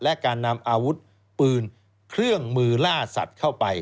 และการนำอาวุธปืนเครื่องมือล่าสัตว์เข้าไป